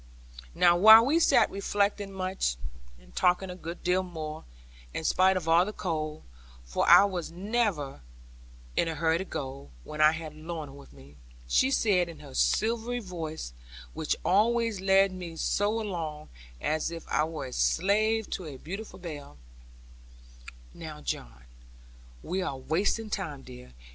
Now while we sat reflecting much, and talking a good deal more, in spite of all the cold for I never was in a hurry to go, when I had Lorna with me she said, in her silvery voice, which always led me so along, as if I were a slave to a beautiful bell, 'Now, John, we are wasting time, dear.